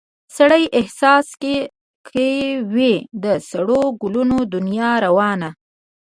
سړي احساس کې وي د سرو ګلو دنیا روانه